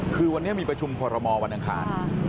คือวันนี้มีประชุมคอรมอลวันอังคาร